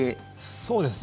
そうですね。